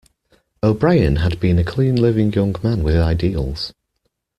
O'Brien had been a clean living young man with ideals.